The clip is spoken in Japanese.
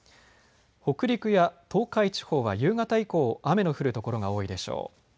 北陸や東海地方は夕方以降、雨の降る所が多いでしょう。